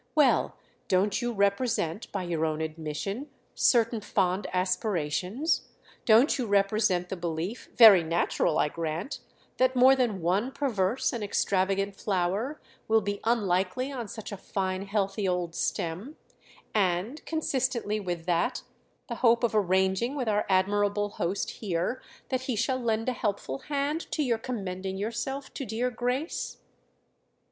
"Well, don't you represent, by your own admission, certain fond aspirations? Don't you represent the belief—very natural, I grant—that more than one perverse and extravagant flower will be unlikely on such a fine healthy old stem; and, consistently with that, the hope of arranging with our admirable host here that he shall lend a helpful hand to your commending yourself to dear Grace?"